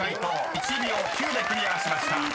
１秒９でクリアしました］